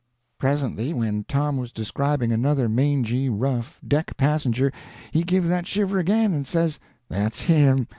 Presently when Tom was describing another mangy, rough deck passenger, he give that shiver again and says: "That's him!